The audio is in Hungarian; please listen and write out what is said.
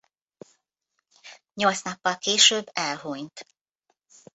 Nyolc nappal később elhunyt.